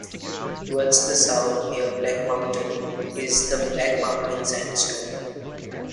Towards the south near Black Mountain is the Black Mountain Sandstone.